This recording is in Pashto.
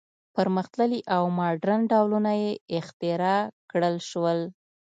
پرمختللي او ماډرن ډولونه یې اختراع کړل شول.